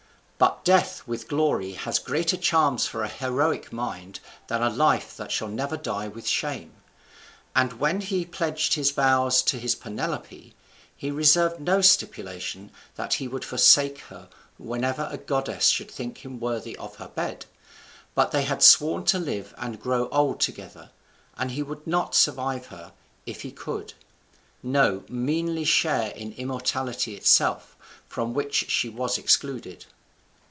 But death with glory has greater charms for a mind heroic than a life that shall never die with shame; and when he pledged his vows to his Penelope, he reserved no stipulation that he would forsake her whenever a goddess should think him worthy of her bed, but they had sworn to live and grow old together; and he would not survive her if he could, no meanly share in immortality itself, from which she was excluded.